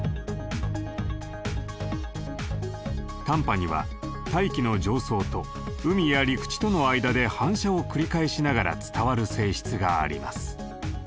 短波には大気の上層と海や陸地との間で反射を繰り返しながら伝わる性質があります。